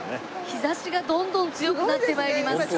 日差しがどんどん強くなって参ります。